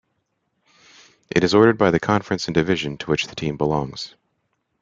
It is ordered by the conference and division to which the team belongs.